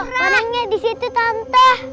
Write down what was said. palingnya di situ tante